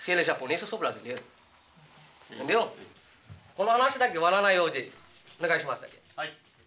この話だけで終わらないようにお願いします。